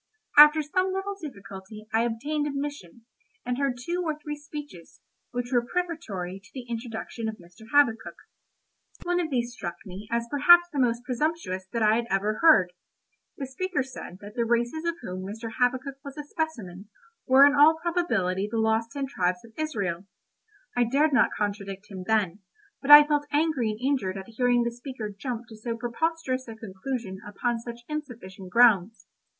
After some little difficulty I obtained admission, and heard two or three speeches, which were prefatory to the introduction of Mr. Habakkuk. One of these struck me as perhaps the most presumptuous that I had ever heard. The speaker said that the races of whom Mr. Habakkuk was a specimen, were in all probability the lost ten tribes of Israel. I dared not contradict him then, but I felt angry and injured at hearing the speaker jump to so preposterous a conclusion upon such insufficient grounds.